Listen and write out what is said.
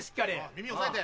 耳押さえて。